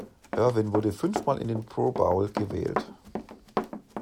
Irvin wurde fünfmal in den Pro Bowl gewählt.